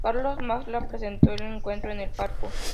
Carlos Marsá presenció el encuentro en el palco.